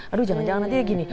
aduh jangan jangan nanti dia gini